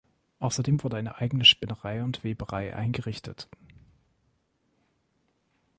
Außerdem wurde eine eigene Spinnerei und Weberei eingerichtet.